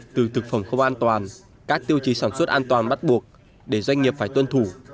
từ thực phẩm không an toàn các tiêu chí sản xuất an toàn bắt buộc để doanh nghiệp phải tuân thủ